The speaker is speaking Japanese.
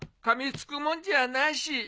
かみつくもんじゃなし。